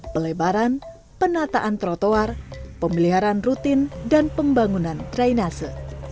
pelebaran penataan trotoar pemeliharaan rutin dan pembangunan drainase